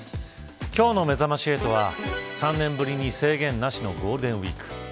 今日のめざまし８は３年ぶりに制限なしのゴールデンウイーク。